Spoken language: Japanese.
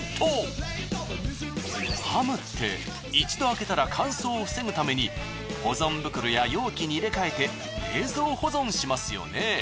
ハムって一度開けたら乾燥を防ぐために保存袋や容器に入れ替えて冷蔵保存しますよね。